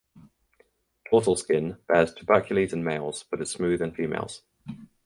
Dorsal skin bears tubercles in males but is smooth in females.